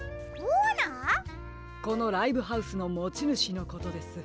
このライブハウスのもちぬしのことです。